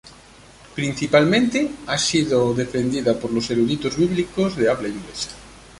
Principalmente ha sido defendida por los eruditos bíblicos de habla inglesa.